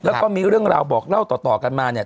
แล้วก็มีเรื่องราวบอกเล่าต่อกันมาเนี่ย